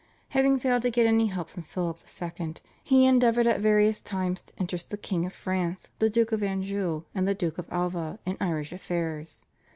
Having failed to get any help from Philip II., he endeavoured at various times to interest the King of France, the Duke of Anjou, and the Duke of Alva in Irish affairs.